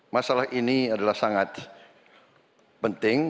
masalah ini adalah sangat penting